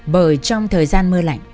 bởi trong thời gian mưa lạnh